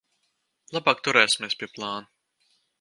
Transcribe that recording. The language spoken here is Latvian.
Labāk turēsimies pie plāna.